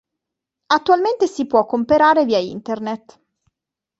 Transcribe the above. Attualmente si può comperare via internet.